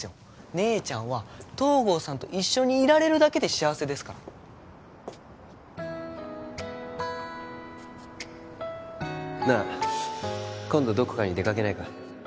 姉ちゃんは東郷さんと一緒にいられるだけで幸せですからなあ今度どこかに出かけないか？